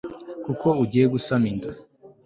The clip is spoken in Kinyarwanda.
kuko ugiye gusama inda